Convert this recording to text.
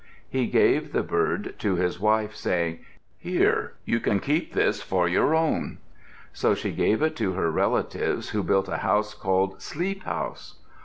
He gave the bird to his wife, saying, "Here, you can keep this for your own." So she gave it to her relatives who built a house called Sleep House.